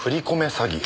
詐欺。